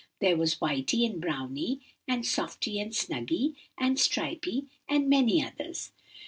There was, 'Whity,' and 'Browny,' and 'Softy,' and 'Snuggy,' and 'Stripy,' and many others.